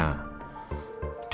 karena dibohongin soal kebutaannya